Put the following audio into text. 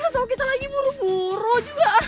lu tau kita lagi buru buru juga